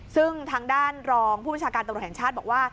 ซึ่งทางด้านรองผู้บัญชาการตำรวจแห่งชาติบอกว่า